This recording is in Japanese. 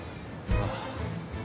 ああ。